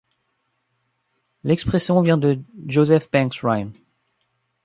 L'expression vient de Joseph Banks Rhine.